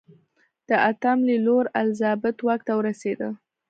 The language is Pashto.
د اتم لي لور الیزابت واک ته ورسېده.